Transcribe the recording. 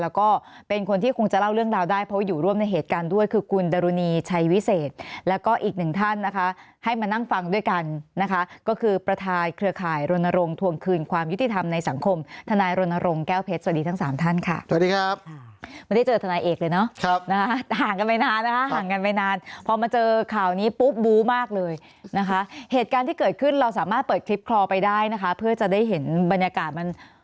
แล้วก็ในพื้นที่สาธารณะแล้วก็ในพื้นที่สาธารณะแล้วก็ในพื้นที่สาธารณะแล้วก็ในพื้นที่สาธารณะแล้วก็ในพื้นที่สาธารณะแล้วก็ในพื้นที่สาธารณะแล้วก็ในพื้นที่สาธารณะแล้วก็ในพื้นที่สาธารณะแล้วก็ในพื้นที่สาธารณะแล้วก็ในพื้นที่สาธารณะแล้วก็ในพื้นที่สาธารณะแล